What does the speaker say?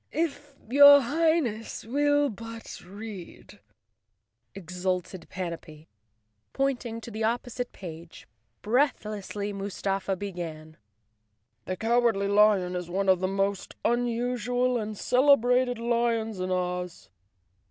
"If your Highness will but read," exulted Panapee, pointing to the opposite page. Breathlessly Mustafa began. "The Cowardly Lion is one of the most unusual and celebrated lions in Oz.